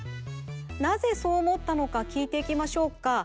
なぜそう思ったのかきいていきましょうか。